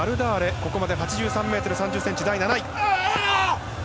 ここまで８３ｍ３０ｃｍで第７位。